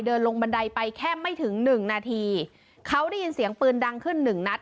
เดินลงบันไดไปแค่ไม่ถึงหนึ่งนาทีเขาได้ยินเสียงปืนดังขึ้นหนึ่งนัด